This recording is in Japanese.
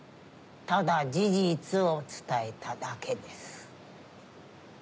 ただ事実を伝えただけです。